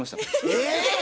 えっ！